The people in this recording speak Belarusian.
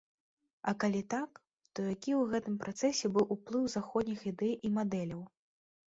А калі так, то які ў гэтым працэсе быў уплыў заходніх ідэй і мадэляў.